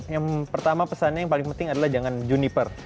yang pertama pesannya yang paling penting adalah jangan juniper